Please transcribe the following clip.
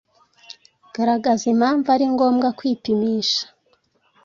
Garagaza impamvu ari ngombwa kwipimisha